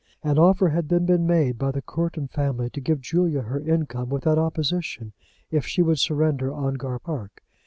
An offer had then been made by the Courton family to give Julia her income without opposition if she would surrender Ongar Park.